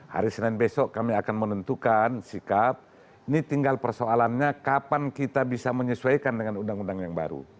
hari senin besok kami akan menentukan sikap ini tinggal persoalannya kapan kita bisa menyesuaikan dengan undang undang yang baru